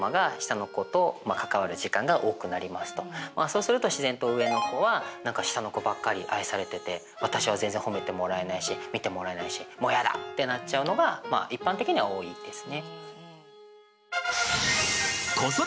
そうすると自然と上の子は下の子ばっかり愛されてて私は全然褒めてもらえないし見てもらえないしもうやだってなっちゃうのが一般的には多いですね。